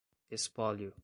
espólio